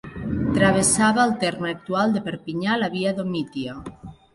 Travessava el terme actual de Perpinyà la Via Domitia.